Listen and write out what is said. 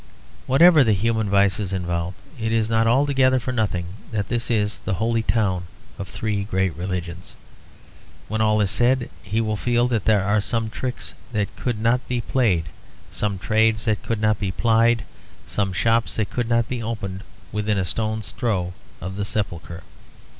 Whatever the human vices involved, it is not altogether for nothing that this is the holy town of three great religions. When all is said, he will feel that there are some tricks that could not be played, some trades that could not be plied, some shops that could not be opened, within a stone's throw of the Sepulchre.